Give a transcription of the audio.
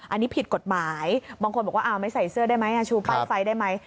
อันนี้ผิดกฎหมายบางคนบอกว่าไม่ใส่เสื้อได้ไหมชูป้ายไฟได้ไหม